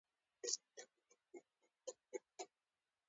زه هم نه پوهېږم، زما په دې ډول جګړو.